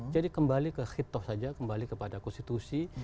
jadi kembali ke khitoh saja kembali kepada konstitusi